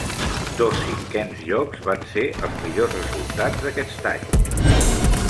Dos cinquens llocs van ser els millors resultats d'aquest any.